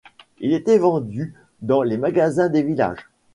Il était vendu dans les magasins des villages.